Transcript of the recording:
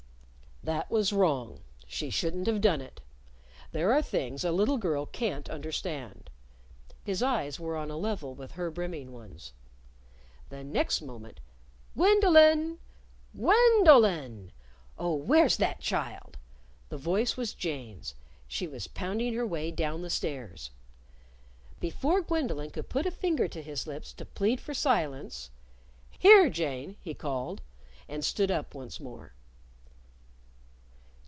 "That was wrong she shouldn't have done it. There are things a little girl can't understand." His eyes were on a level with her brimming ones. The next moment "Gwendolyn! _Gwen_dolyn! Oh, where's that child!" The voice was Jane's. She was pounding her way down the stairs. Before Gwendolyn could put a finger to his lips to plead for silence, "Here, Jane," he called, and stood up once more.